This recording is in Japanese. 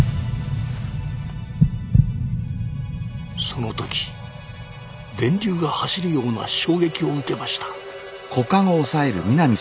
その時電流が走るような衝撃を受けました。